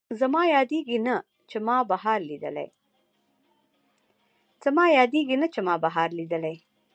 زما یادېږي نه، چې ما بهار لیدلی